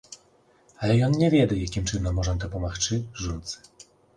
Але ён не ведае, якім чынам можна дапамагчы жонцы.